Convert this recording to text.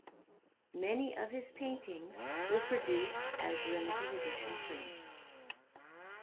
Many of his paintings were produced as limited-edition prints.